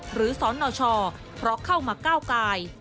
หรือสอนหน่อช่อเพราะเข้ามาก้าวกาย